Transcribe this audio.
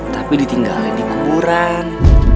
tapi ditinggalin di kuburan